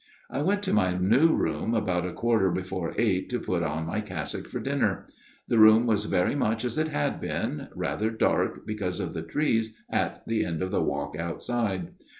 " I went to my new room about a quarter before eight to put on my cassock for dinner. The room was very much as it had been rather dark because of the trees at the end of the walk outside.